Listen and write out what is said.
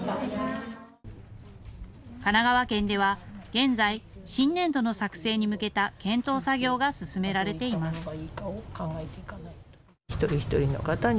神奈川県では現在、新年度の作成に向けた検討作業が進められています。